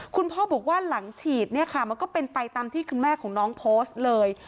คุณพ่อบอกว่าหลังฉีดเนี่ยค่ะมันก็เป็นไปตามที่คุณแม่ของน้องโพสต์เลย